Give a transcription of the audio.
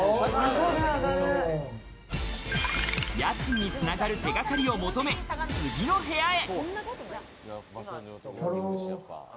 家賃に繋がる手がかりを求め、次の部屋へ。